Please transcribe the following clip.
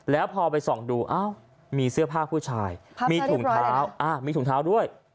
แล้วพอไปส่องดูมีเสื้อผ้าผู้ชายมีถุงเท้าด้วย